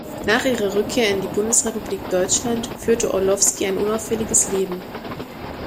Nach ihrer Rückkehr in die Bundesrepublik Deutschland führte Orlowski ein unauffälliges Leben.